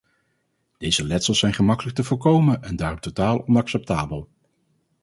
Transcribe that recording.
Deze letsels zijn gemakkelijk te voorkomen en daarom totaal onacceptabel.